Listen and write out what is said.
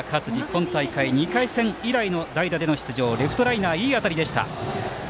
今大会、２回戦以来の代打での出場、レフトライナーいい当たりでした。